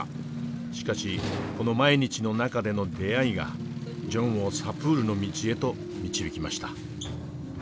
しかしこの毎日の中での出会いがジョンをサプールの道へと導きました。